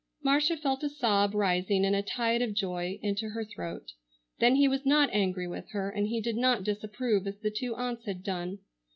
Marcia felt a sob rising in a tide of joy into her throat. Then he was not angry with her, and he did not disapprove as the two aunts had done.